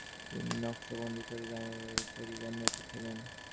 তিনি নকশবন্দি তরিকার নেতা ছিলেন।